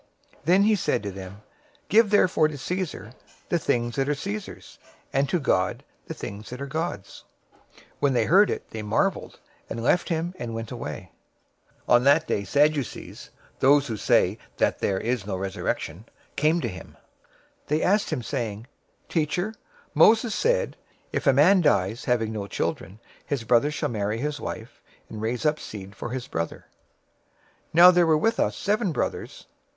Then he said to them, "Give therefore to Caesar the things that are Caesar's, and to God the things that are God's." 022:022 When they heard it, they marveled, and left him, and went away. 022:023 On that day Sadducees (those who say that there is no resurrection) came to him. They asked him, 022:024 saying, "Teacher, Moses said, 'If a man dies, having no children, his brother shall marry his wife, and raise up seed for his brother.' 022:025 Now there were with us seven brothers.